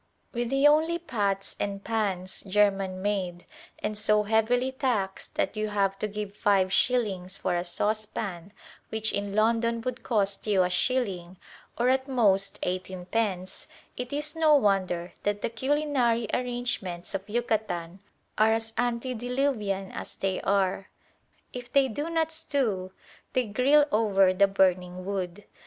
With the only pots and pans German made and so heavily taxed that you have to give five shillings for a saucepan which in London would cost you a shilling or at most eighteen pence, it is no wonder that the culinary arrangements of Yucatan are as antediluvian as they are. If they do not stew, they grill over the burning wood.